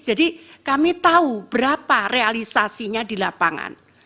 jadi kami tahu berapa realisasinya di lapangan